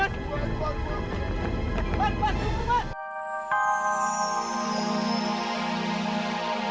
hah dijual mas